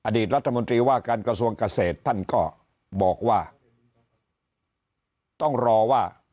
รัฐมนตรีว่าการกระทรวงเกษตรท่านก็บอกว่าต้องรอว่า